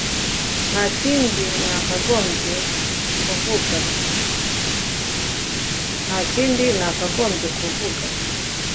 ntakindi nakagombye kuvuga